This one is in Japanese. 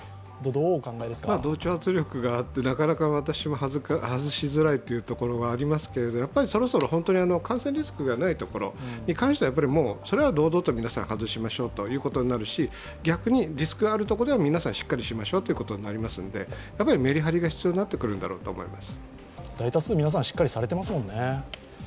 同調圧力があって、なかなか私も外しづらいっていうのがありますけどそろそろ本当に感染リスクがないところに関してはそれは堂々と皆さん外しましょうということになると、逆にリスクがあるところでは皆さん、しっかりしましょうということになりますのでメリハリが必要になってくるのだろうと思います。